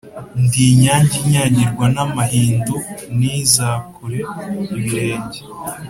ndi inyange inyagirwa n'amahindu ntizakure ibirenge,